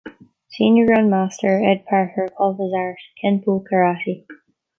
Senior Grand Master Ed Parker called his art Kenpo Karate.